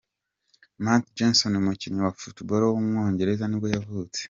Matt Jansen, umukinnyi wa football w’umwongereza nibwo yavutse.